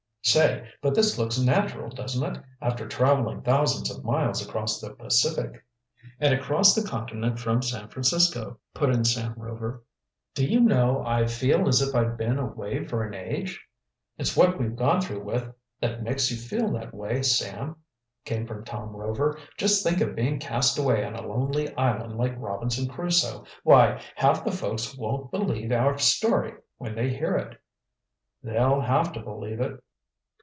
"Say, but this looks natural, doesn't it, after traveling thousands of miles across the Pacific?" "And across the Continent from San Francisco," put in Sam Rover. "Do you know, I feel as if I'd been away for an age?" "It's what we've gone through with that makes you feel that way, Sam," came from Tom Rover. "Just think of being cast away on a lonely island like Robinson Crusoe! Why, half the folks won't believe our story when they hear it." "They'll have to believe it."